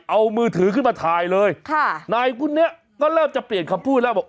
เอามือถือขึ้นมาถ่ายเลยค่ะนายคนนี้ก็เริ่มจะเปลี่ยนคำพูดแล้วบอก